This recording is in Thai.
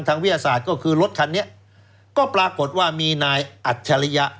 วิทยาศาสตร์ก็คือรถคันนี้ก็ปรากฏว่ามีนายอัจฉริยะ